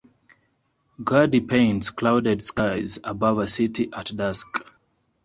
Guardi paints clouded skies above a city at dusk.